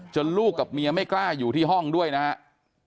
ลูกกับเมียไม่กล้าอยู่ที่ห้องด้วยนะครับ